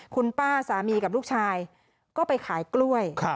คุณป้าสามีกับลูกชายก็ไปขายกล้วย